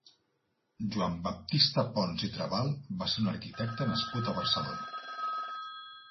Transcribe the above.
Joan Baptista Pons i Trabal va ser un arquitecte nascut a Barcelona.